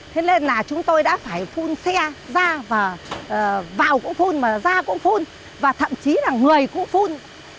thế nên là chúng tôi đã phải phun xe ra và vào cũng phun mà ra cũng phun và thậm chí là người cụ phun